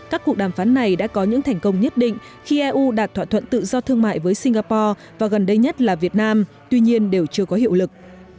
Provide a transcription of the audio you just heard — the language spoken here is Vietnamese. các cuộc đàm phán này đã có những thành công nhất định khi eu đạt thỏa thuận tự do thương mại với singapore và gần đây nhất là việt nam tuy nhiên đều chưa có hiệu lực